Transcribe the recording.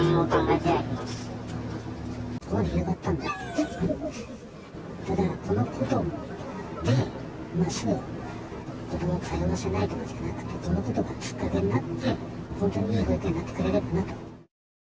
ただこのことで、すぐ子どもを通わせないとかじゃなくて、このことがきっかけになって、本当にいい保育園になってくれればなと。